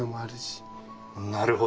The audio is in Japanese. なるほど。